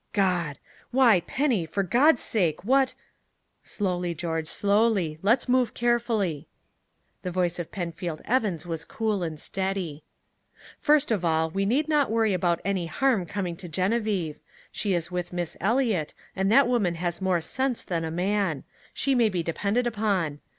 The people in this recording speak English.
God Why, Penny, for God's sake, what " "Slowly, George slowly. Let's move carefully." The voice of Penfield Evans was cool and steady, "First of all, we need not worry about any harm coming to Geneviève. She is with Miss Eliot, and that woman has more sense than a man. She may be depended upon.